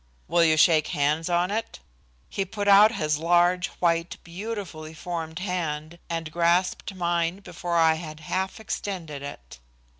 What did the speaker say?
"Will you shake hands on it?" He put out his large, white, beautifully formed hand and grasped mine before I had half extended it.